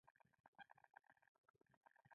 هغه وويل چې موږ به وروسته درشو.